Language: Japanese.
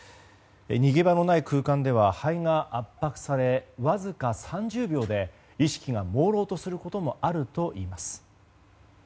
逃げ場のない空間では肺が圧迫されわずか３０秒で意識がもうろうとすることもあるといいます。